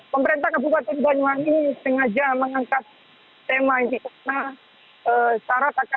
pemerintah kabupaten banyuwangi sengaja mengangkat tema ini karena